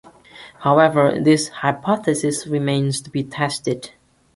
However, this hypothesis remains to be tested.